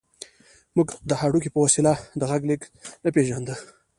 موږ د هډوکي په وسیله د غږ لېږد نه پېژانده